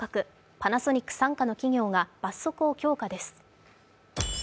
パナソニック傘下の企業が罰則強化です。